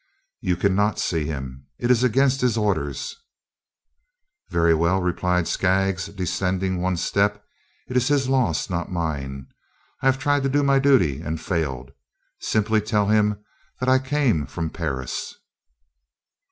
"You cannot see him. It is against his orders." "Very well," replied Skaggs, descending one step; "it is his loss, not mine. I have tried to do my duty and failed. Simply tell him that I came from Paris."